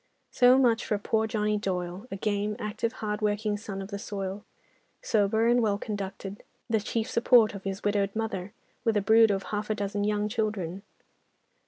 So much for poor Johnny Doyle, a game, active, hardworking son of the soil; sober and well conducted, the chief support of his widowed mother, with a brood of half a dozen young children.